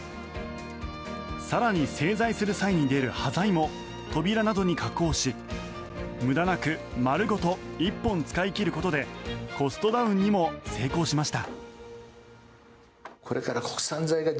更に、製材する際に出る端材も扉などに加工し無駄なく丸ごと１本使い切ることでコストダウンにも成功しました。